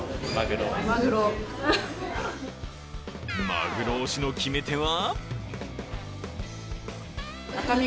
マグロ推しの決め手は？